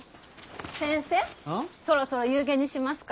先生そろそろ夕げにしますか？